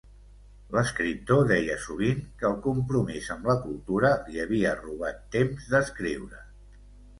L'escriptor deia sovint que el compromís amb la cultura li havia robat temps d'escriure.